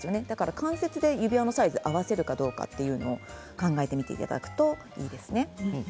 関節で指輪のサイズを合わせるかどうか考えてみていただくといいですね。